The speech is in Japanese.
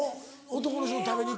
男の人と食べに。